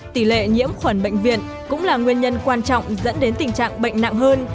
tỷ lệ nhiễm khuẩn bệnh viện cũng là nguyên nhân quan trọng dẫn đến tình trạng bệnh nặng hơn